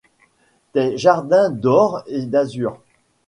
Tes jardins d’or et d’azur